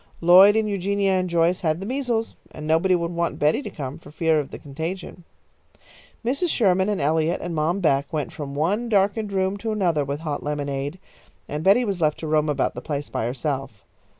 Lloyd and Eugenia and Joyce had the measles, and nobody would want Betty to come for fear of the contagion. Mrs. Sherman and Eliot and Mom Beck went from one darkened room to another with hot lemonade, and Betty was left to roam about the place by herself.